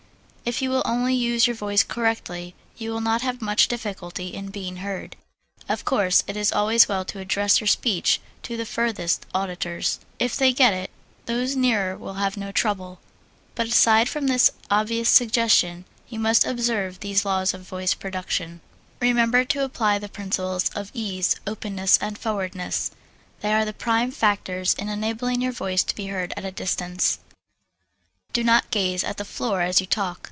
If you will only use your voice correctly, you will not have much difficulty in being heard. Of course it is always well to address your speech to your furthest auditors; if they get it, those nearer will have no trouble, but aside from this obvious suggestion, you must observe these laws of voice production: Remember to apply the principles of ease, openness and forwardness they are the prime factors in enabling your voice to be heard at a distance. Do not gaze at the floor as you talk.